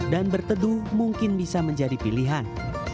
dan berteduh mungkin bisa menjadi pilihan